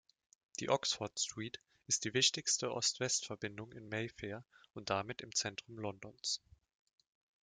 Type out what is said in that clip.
Die Oxford Street ist die wichtigste Ost-West-Verbindung in Mayfair und damit im Zentrum Londons.